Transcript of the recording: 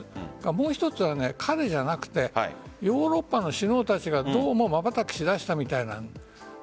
もう一つは彼じゃなくてヨーロッパの首脳たちがどうもまばたきしだしたみたいなんです。